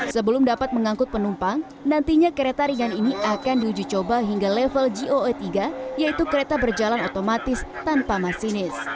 sebelum dapat mengangkut penumpang nantinya kereta ringan ini akan diuji coba hingga level goe tiga yaitu kereta berjalan otomatis tanpa masinis